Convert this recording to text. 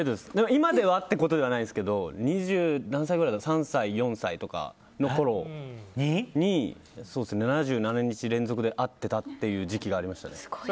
今ではっていうことではないですけど２３歳、２４歳のころに７７日連続で会ってた時期がありましたね。